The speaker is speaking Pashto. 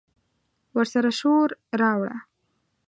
ورسره شور، راوړه